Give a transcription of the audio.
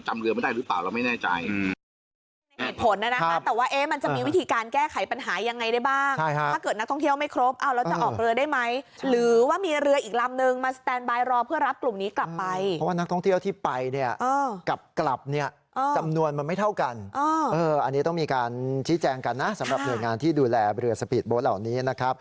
เรือไม่ได้หรือเปล่าเราไม่แน่ใจ